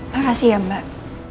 makasih ya mbak